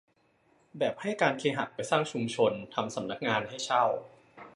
แบบให้การเคหะไปสร้างชุมชน ทำสำนักงานให้เช่า